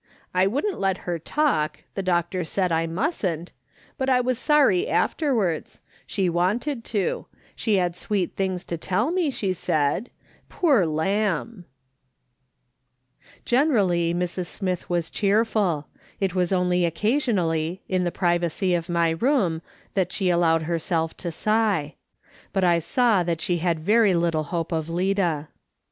I wouldn't let her talk, the doctor said I mustn't ; but I was sorry afterwards ; she wanted to ; she had sweet things to tell me, she said ; poor lamb !" Generally, Mrs. Smith was cheerful. It was only occasionally, in the privacy of my room, that slie allowed herself to sigh ; but I saw that she had very little hope of Lida.